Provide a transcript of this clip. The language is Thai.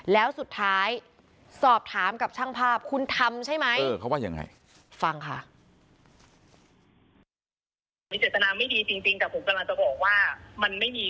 แล้วสุดท้ายสอบถามกับช่างภาพคุณทำใช่ไหม